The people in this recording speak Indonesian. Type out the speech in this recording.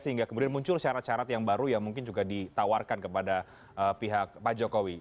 sehingga kemudian muncul syarat syarat yang baru yang mungkin juga ditawarkan kepada pihak pak jokowi